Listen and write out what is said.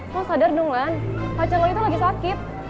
lo sadar dong ulan pacar lo itu lagi sakit